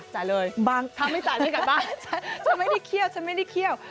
จ่ายเลยถ้าไม่จ่ายขี่ก่อนบ้างจะไม่ได้เคี่ยว